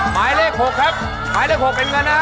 หมายเลข๖ครับหมายเลข๖เป็นเงินนะฮะ